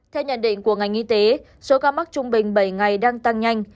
theo nhận định của ngành y tế số ca mắc trung bình bảy ngày đang tăng nhanh